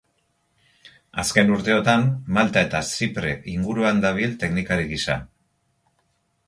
Azken urteotan Malta eta Zipre inguruan dabil teknikari gisa.